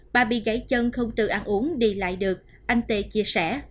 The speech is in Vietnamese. ba bị gãy chân không tự ăn uống đi lại được anh tê chia sẻ